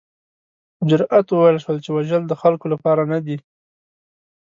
په جرات وویل شول چې وژل د خلکو لپاره نه دي.